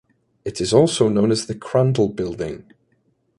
It is also known as the Crandall Building.